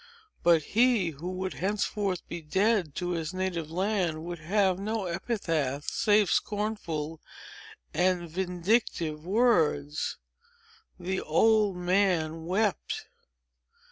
But he, who would henceforth be dead to his native land, would have no epitaph save scornful and vindictive words. The old man wept.